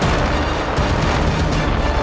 kembali ke tempat yang sama